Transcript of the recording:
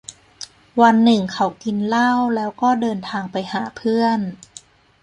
วันหนึ่งเขากินเหล้าแล้วก็เดินทางไปหาเพื่อน